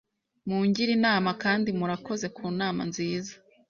mungire inama kandi murakoze kunama nziza